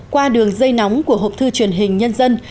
qua đường dây nóng của hộp thư truyền hình nhân dân